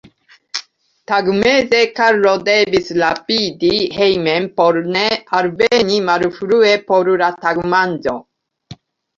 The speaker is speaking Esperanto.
Tagmeze Karlo devis rapidi hejmen por ne alveni malfrue por la tagmanĝo.